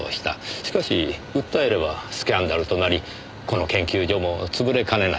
しかし訴えればスキャンダルとなりこの研究所も潰れかねない。